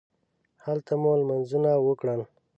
هلته مو لمونځونه وکړل.